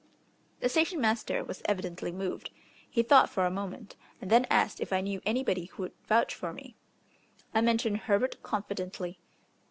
The station master was evidently moved. He thought for a moment, and then asked if I knew anybody who would vouch for me. I mentioned Herbert confidently.